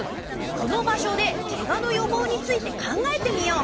この場所でケガの予防について考えてみよう。